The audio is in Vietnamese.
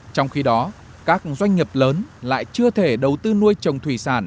trong khi đó các doanh nghiệp lớn lại chưa thể đầu tư nuôi trồng thủy sản